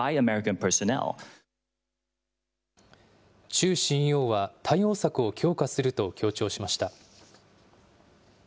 チュウＣＥＯは、対応策を強化すると強調しました。